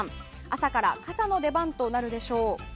朝から傘の出番となるでしょう。